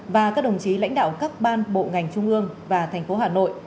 và các đồng chí lãnh đạo các ban bộ ngành trung ương và thành phố hà nội